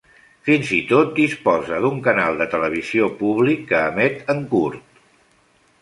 Fins i tot disposa d'un canal de televisió públic que emet en kurd.